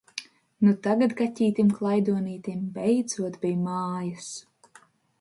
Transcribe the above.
Nu tagad kaķītim klaidonītim beidzot bij mājas!